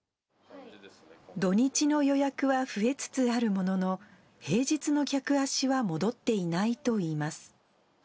土日の予約は増えつつあるものの、平日の客足は戻っていないといいます。